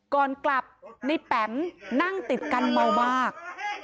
ก่อนกลับในแปมนั่งติดกันเมามาก